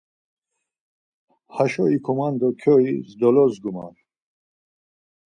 Haşo ikuman do çoi dolozguman.